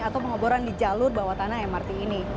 atau pengoboran di jalur bawah tanah mrt ini